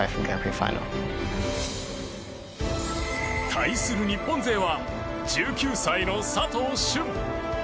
対する日本勢は１９歳の佐藤駿。